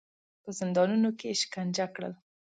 په زندانونو کې یې شکنجه کړل.